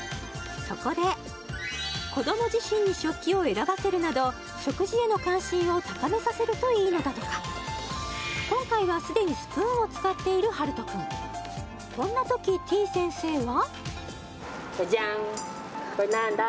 そこで子ども自身に食器を選ばせるなど食事への関心を高めさせるといいのだとか今回は既にスプーンを使っているはるとくんこんなときてぃ先生は？